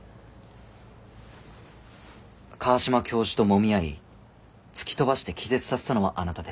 川島教授と揉み合い突き飛ばして気絶させたのはあなたです。